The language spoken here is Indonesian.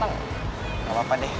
nggak apa apa deh